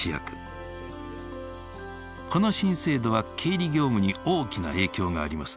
この新制度は経理業務に大きな影響があります。